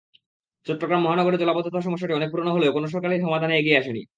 চট্টগ্রাম মহানগরের জলাবদ্ধতা সমস্যাটি অনেক পুরোনো হলেও কোনো সরকারই সমাধানে এগিয়ে আসেনি।